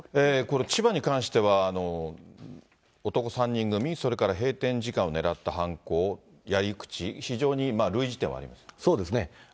千葉に関しては男３人組、それから閉店時間を狙った犯行、やり口、そうですね。